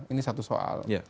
ini satu soal